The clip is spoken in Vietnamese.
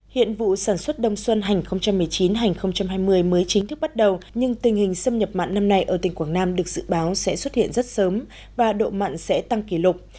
hiện vụ sản xuất đông xuân hai nghìn một mươi chín hai nghìn hai mươi mới chính thức bắt đầu nhưng tình hình xâm nhập mặn năm nay ở tỉnh quảng nam được dự báo sẽ xuất hiện rất sớm và độ mặn sẽ tăng kỷ lục